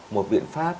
một biện pháp